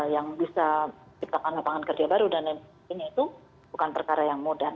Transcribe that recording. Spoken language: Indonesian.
yang bisa menciptakan lapangan kerja baru dan lain sebagainya itu bukan perkara yang mudah